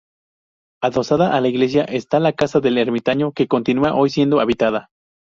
Adosada a la iglesia está la casa del ermitaño, que continúa hoy siendo habitada.